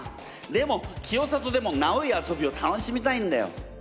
でも清里でもナウい遊びを楽しみたいんだよ。